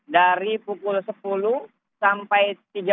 dari pukul sepuluh sampai tujuh